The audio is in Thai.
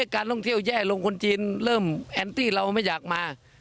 การท่องเที่ยวแย่ลงคนจีนเริ่มแอนตี้เราไม่อยากมา